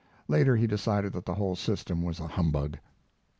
Later he decided that the whole system was a humbug.